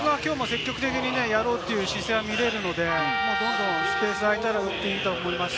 積極的にやろうという姿勢が見られるのでスペースが空いたら打っていいと思います。